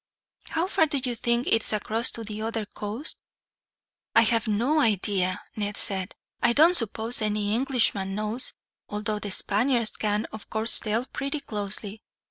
"How far do you think it is across to the other coast?" "I have not an idea," Ned said. "I don't suppose any Englishman knows, although the Spaniards can of course tell pretty closely.